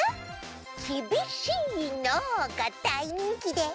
「きびしいな」がだいにんきで。